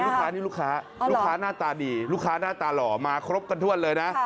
ลูกค้านี่ลูกค้าลูกค้าหน้าตาดีลูกค้าหน้าตาหล่อมาครบกันทั่วเลยนะ